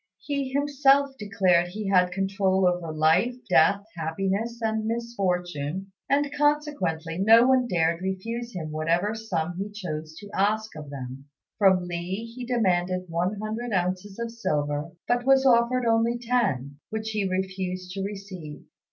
He himself declared he had control over life, death, happiness, and misfortune; and consequently no one dared refuse him whatever sum he chose to ask of them. From Li he demanded one hundred ounces of silver, but was offered only ten, which he refused to receive.